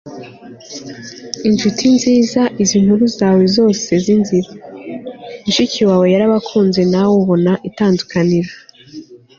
inshuti nziza izi inkuru zawe zose nziza, mushiki wawe yarabakunze nawe ubona itandukaniro